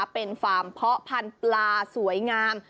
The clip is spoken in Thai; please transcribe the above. เป็นฟาร์มเพาะพันธุ์ปลาสวยงาม